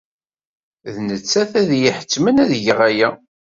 D nettat ay iyi-iḥettmen ad geɣ aya.